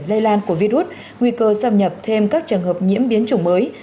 lây lan của virus nguy cơ xâm nhập thêm các trường hợp nhiễm biến chủng mới